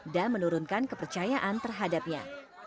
dan menurunkan kepercayaan terhadapnya